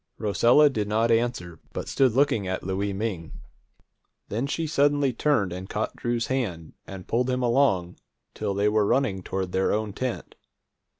Rosella did not answer, but stood looking at Louie Ming. Then she suddenly turned and caught Drew's hand, and pulled him along till they were running toward their own tent.